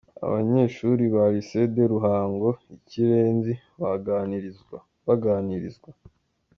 Abanyeshuri ba Lycee de Ruhango Ikirenzi baganirizwa.